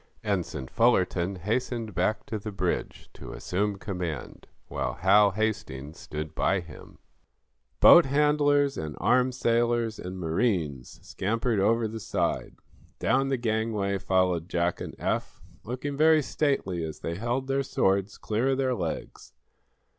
Ensign Fullerton hastened back to the bridge, to assume command, while Hal hastings stood by him. Boat handlers and armed sailors and marines scampered over the side. Down the gangway followed Jack and Eph, looking very stately as they held their swords clear of their legs.